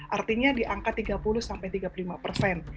artinya diangkat tiga puluh sampai tiga puluh lima persen